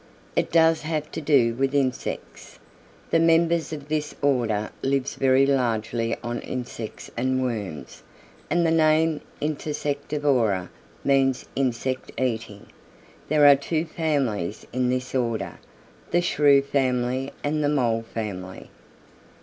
"It does have to do with insects. The members of this order live very largely on insects and worms, and the name Insectivora means insect eating. There are two families in this order, the Shrew family and the Mole family."